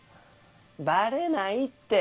バレないって。